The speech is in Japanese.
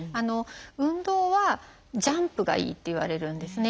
運動はジャンプがいいっていわれるんですね。